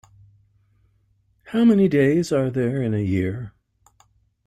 How many days are there in a year?